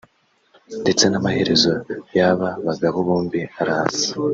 ndetse n’amaherezo y’aba bagabo bombi arasa